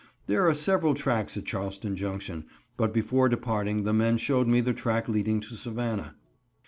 There are several tracks at Charleston Junction, but before departing the men showed me the track leading to Savannah.